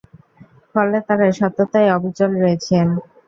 ফলে তারা সততায় অবিচল রয়েছেন।